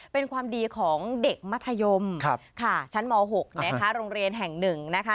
เป็นความดีของเด็กมัธยมค่ะชั้นม๖นะคะโรงเรียนแห่งหนึ่งนะคะ